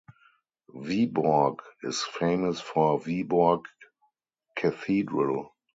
Viborg is famous for Viborg Cathedral.